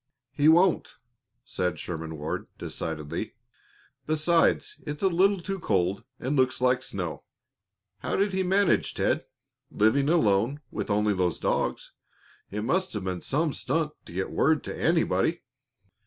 "He won't," said Sherman Ward, decidedly. "Besides, it's a lot too cold and looks like snow. How did he manage, Ted? Living alone with only those dogs, it must have been some stunt to get word to anybody."